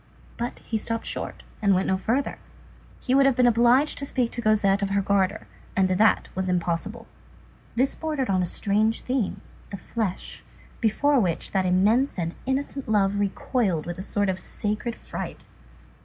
But he stopped short, and went no further. He would have been obliged to speak to Cosette of her garter, and that was impossible. This bordered on a strange theme, the flesh, before which that immense and innocent love recoiled with a sort of sacred fright.